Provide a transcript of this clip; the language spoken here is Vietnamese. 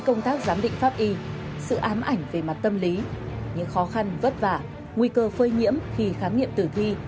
công tác giám định pháp y sự ám ảnh về mặt tâm lý những khó khăn vất vả nguy cơ phơi nhiễm khi khám nghiệm tử thi